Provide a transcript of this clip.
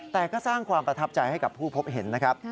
แต่ก็สร้างความประทับใจให้กับผู้พบเห็นนะครับ